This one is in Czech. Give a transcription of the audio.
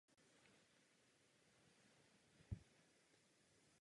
Štábní kapitán čelil přesile osmi příslušníků gestapa.